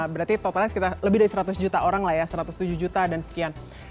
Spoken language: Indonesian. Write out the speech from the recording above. berarti totalnya lebih dari seratus juta orang lah ya satu ratus tujuh juta dan sekian